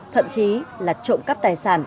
thậm chí là trộm cắp tài sản